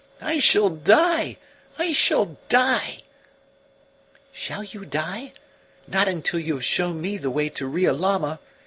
I shall die, I shall die!" "Shall you die? Not until you have shown me the way to Riolama.